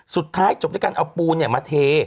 สุดท้ายจบด้วยการเอาปูนมาเท